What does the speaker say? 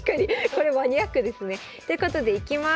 これマニアックですね。ということでいきます。